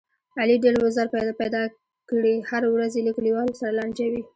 علي ډېر وزر پیدا کړي، هره ورځ یې له کلیوالو سره لانجه وي.